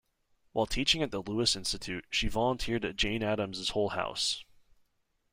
While teaching at the Lewis Institute, she volunteered at Jane Addams' Hull House.